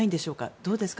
どうですか？